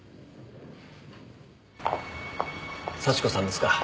幸子さんですか。